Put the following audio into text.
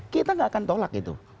kita gak akan tolak itu